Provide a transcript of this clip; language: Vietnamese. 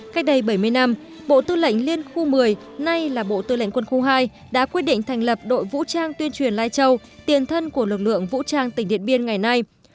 cách đây bảy mươi năm bộ tư lệnh liên khu một mươi nay là bộ tư lệnh quân khu hai đã quyết định thành lập đội vũ trang tuyên truyền lai châu tiền thân của lực lượng vũ trang tỉnh điện biên ngày nay